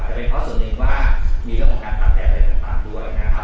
จะเป็นเพราะตัวเองว่ามีเรื่องของการตากแดดอะไรต่างด้วยนะครับ